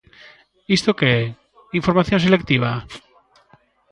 ¿Isto que é: información selectiva?